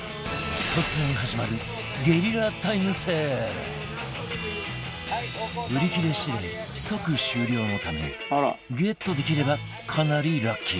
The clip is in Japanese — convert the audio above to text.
突然始まる売り切れ次第即終了のためゲットできればかなりラッキー